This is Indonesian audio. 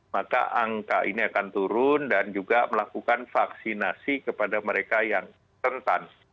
maka angka ini akan turun dan juga melakukan vaksinasi kepada mereka yang rentan